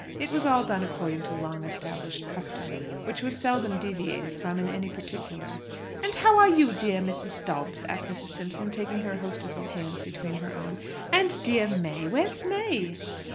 It was all done according to long established custom, which was seldom deviated from in any particular. "And how are you, dear Mrs. Dobbs?" asked Mrs. Simpson, taking her hostess's hand between both her own. "And dear May where's May?"